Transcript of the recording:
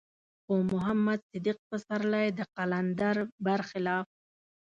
خو محمد صديق پسرلی د قلندر بر خلاف.